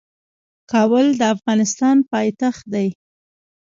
کابل د افغانستان پايتخت دي.